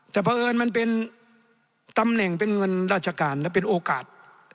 แต่เพราะเอิญมันเป็นตำแหน่งเป็นเงินราชการและเป็นโอกาส